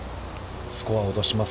スコアを落とします。